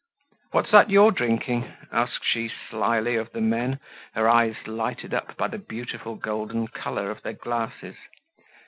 "What's that you're drinking?" asked she slyly of the men, her eyes lighted up by the beautiful golden color of their glasses.